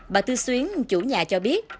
bà tư xuyến chủ nhà cho biết